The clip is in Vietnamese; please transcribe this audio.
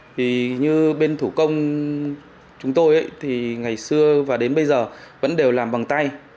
thì như bên thủ công chúng tôi thì ngày xưa và đến bây giờ vẫn đều làm bằng tay